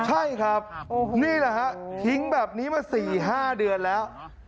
ใช่ครับนี่แหละฮะทิ้งแบบนี้มา๔๕เดือนแล้ว